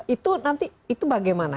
itu nanti bagaimana